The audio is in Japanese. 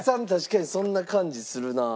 確かにそんな感じするなあ。